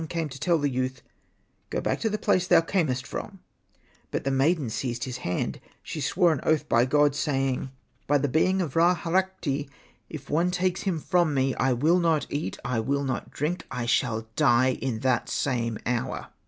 ime to tell the youth, " Go back to the place thou earnest from/' But the maiden seized his hand ; she swore an oath by God, saying, " By the Hosted by Google 24 THE DOOMED PRINCE being of Ra Harakhti, If one takes him from me, I will not eat, I will not drink, I shall die in that same hour."